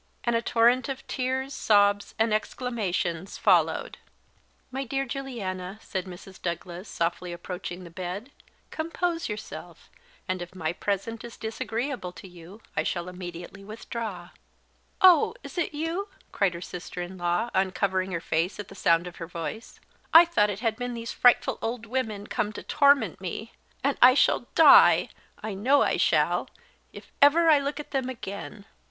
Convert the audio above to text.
and a torrent of tears, sobs, and exclamations followed. "My dear Lady Juliana," said Mrs. Douglas, softly approaching the bed, "compose yourself; and if my presence is disagreeable to you I shall immediately withdraw." "Oh, is it you?" cried her sister in law, uncovering her face at the sound of her voice. "I thought it had been these frightful old women come to torment me; and I shall die I know I shall if ever I look at them again.